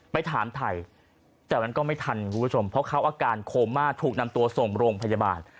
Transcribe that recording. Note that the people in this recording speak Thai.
ไปถามไทยแต่มันก็ไม่ทันคุณผู้ชมเพราะเขาอาการโคม่าถูกนำตัวส่งโรงพยาบาล